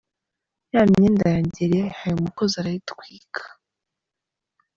Ya myenda yanjye yari yayihaye umukozi arayitwika.